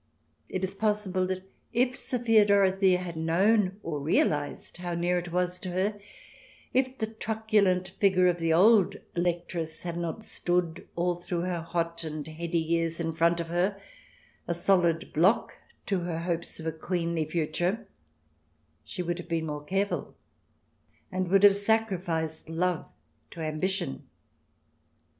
It is possible that if Sophia Dorothea had known or realized how near it was to her, if the truculent figure of the old Electress had not stood, all through her hot and heady years, in front of her, a solid block to her hopes of a queenly future, she would have been more careful, and would have sacrificed love to ambition.